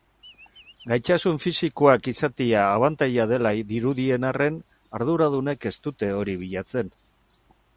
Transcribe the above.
Gaitasun fisikoak izatea abantaila dela dirudien arren, arduradunek ez dute hori bilatzen.